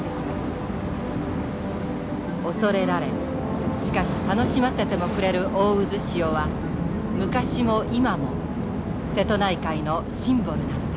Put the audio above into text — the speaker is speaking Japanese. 恐れられしかし楽しませてもくれる大渦潮は昔も今も瀬戸内海のシンボルなのです。